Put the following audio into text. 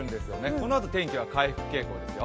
このあと天気は回復傾向ですよ。